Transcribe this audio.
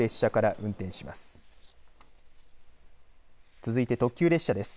続いて特急列車です。